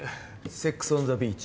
セックス・オン・ザ・ビーチ。